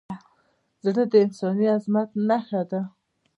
زړه د انساني عظمت نښه ده.